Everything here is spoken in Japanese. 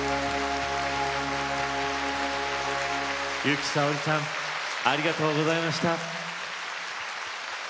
由紀さおりさんありがとうございました。